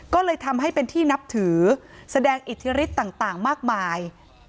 ก็เลยทำให้เป็นที่นับถือแสดงอิทธิฤทธิ์ต่างมากมาย